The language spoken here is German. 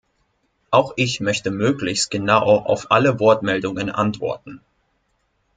Auch ich möchte möglichst genau auf alle Wortmeldungen antworten.